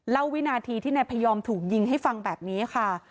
วินาทีที่นายพยอมถูกยิงให้ฟังแบบนี้ค่ะ